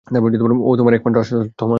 ও তোমার একমাত্র আশ্রয়স্থল, থমাস!